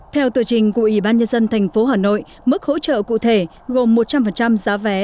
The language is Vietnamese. theo tựa trình của ủy ban nhân dân tp hà nội mức hỗ trợ cụ thể gồm một trăm linh giá vé